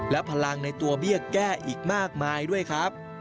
และพลังในตัวเบี้ยแก้อีกมากมายด้วยครับ